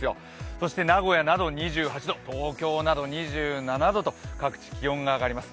そして名古屋など２８度東京など２７度と各地、気温が上がります。